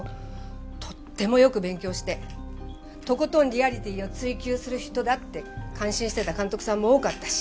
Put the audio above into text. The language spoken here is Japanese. とってもよく勉強してとことんリアリティーを追求する人だって感心してた監督さんも多かったし。